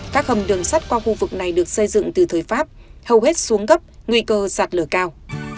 các hầm đường sắt qua khu vực này được xây dựng từ thời pháp hầu hết xuống gấp nguy cơ sạt lửa cao